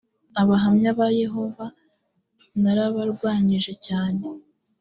abahamya ba yehova narabarwanyije cyane